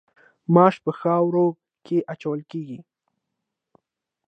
ماش په ښوروا کې اچول کیږي.